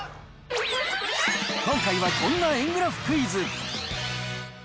今回はこんな円グラフクイズ。